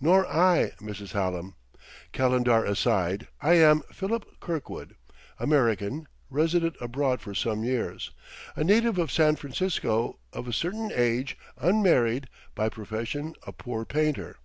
"Nor I, Mrs. Hallam. Calendar aside, I am Philip Kirkwood, American, resident abroad for some years, a native of San Francisco, of a certain age, unmarried, by profession a poor painter."